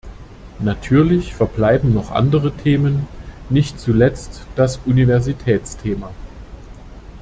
Natürlich verbleiben noch andere Themen, nicht zuletzt das Universitätsthema.